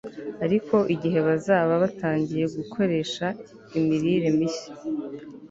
Ariko igihe bazaba batangiye gukoresha imirire mishya